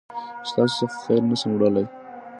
ستاسو څخه خير نسم وړلای